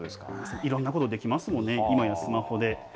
いろんなことできますもんね、今やスマホで。